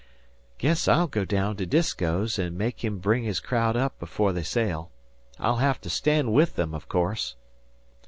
"Guess I'll go down to Disko's and make him bring his crowd up before they sail. I'll have to stand with them, of course."